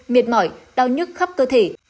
miệt mỏi đau nhức khắp cơ thể